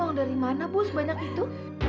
uang dari mana bu sebanyak itu